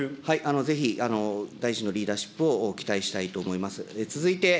ぜひ、大臣のリーダーシップを期待したいと思います。